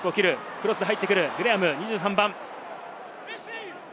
クロスで入ってくる、グレアム・２３番。